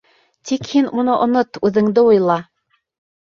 Тик һин уны онот, үҙеңде уйла...